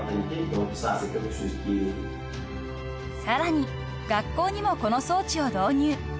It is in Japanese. ［さらに学校にもこの装置を導入］